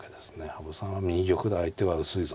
羽生さんは右玉で相手は薄いぞ。